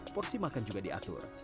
porsi makan juga diatur